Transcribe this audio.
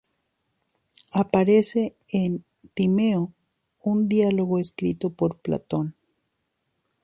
Aparece en "Timeo", un diálogo escrito por Platón.